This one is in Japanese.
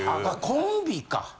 コンビか。